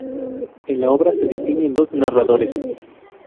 En la obra se distinguen dos narradores.